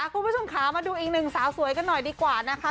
คุณผู้ชมค่ะมาดูอีกหนึ่งสาวสวยกันหน่อยดีกว่านะคะ